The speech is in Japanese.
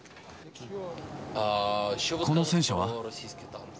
この戦車は？